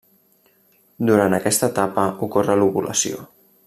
Durant aquesta etapa ocorre l'ovulació.